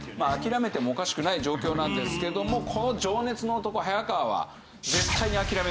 諦めてもおかしくない状況なんですけどもこの情熱の男早川は。